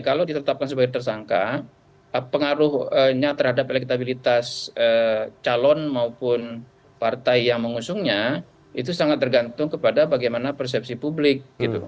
kalau ditetapkan sebagai tersangka pengaruhnya terhadap elektabilitas calon maupun partai yang mengusungnya itu sangat tergantung kepada bagaimana persepsi publik